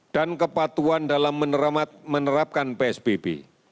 dan kepatuan dalam menerapkan psbb